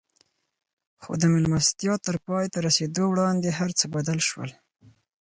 خو د مېلمستيا تر پای ته رسېدو وړاندې هر څه بدل شول.